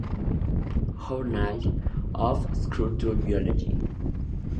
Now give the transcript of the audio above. Journal of Structural Biology.